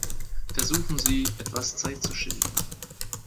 Versuchen Sie, etwas Zeit zu schinden.